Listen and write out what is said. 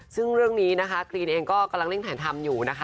ซึ่งเรื่องนี้นะคะกรีนเองก็กำลังเร่งถ่ายทำอยู่นะคะ